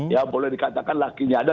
ya boleh dikatakan lakinya ada